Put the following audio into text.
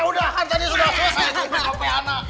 eh udah kan tadi sudah selesai tuh